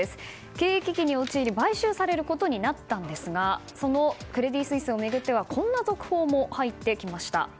経営危機により買収されることになったんですがそのクレディ・スイスを巡ってはこんな続報も入ってきました。